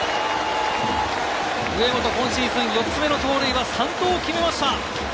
上本、今シーズン４つ目の盗塁は三盗を決めました。